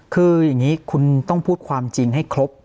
คืออย่างนี้คุณต้องพูดความจริงให้ครบ